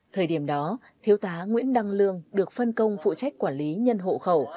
thời điểm đó thiếu tá nguyễn đăng lương được phân công phụ trách quản lý nhân hộ khẩu